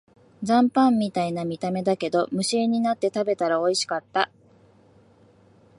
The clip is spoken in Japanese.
残飯みたいな見た目だけど、無心になって食べたらおいしかった